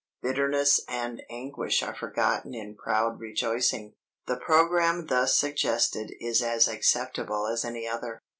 "bitterness and anguish are forgotten in proud rejoicing." The programme thus suggested is as acceptable as any other.